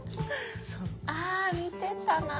あ見てたなぁ。